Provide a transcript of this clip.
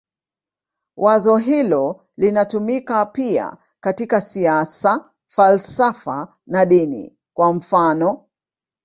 Wazo hilo linatumika pia katika siasa, falsafa na dini, kwa mfanof.